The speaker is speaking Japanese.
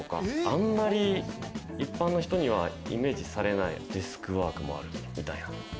あまり一般の人にはイメージされないデスクワークもあるみたいな。